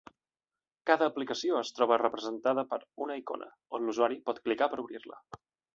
Cada aplicació es troba representada per una icona, on l'usuari pot clicar per obrir-la.